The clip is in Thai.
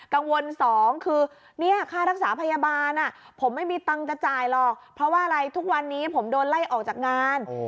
สองคือเนี่ยค่ารักษาพยาบาลผมไม่มีตังค์จะจ่ายหรอกเพราะว่าอะไรทุกวันนี้ผมโดนไล่ออกจากงาน